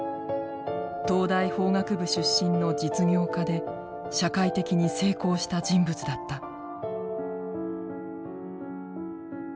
東大法学部出身の実業家で社会的に成功した人物だった。